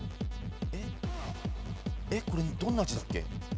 これどんな字だっけ？